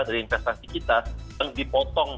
dari investasi kita yang dipotong